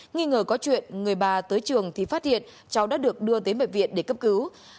nghi ngờ có chuyện người bà tới trường thì phát hiện cháu đã được đưa tới bệnh viện để cấp cứu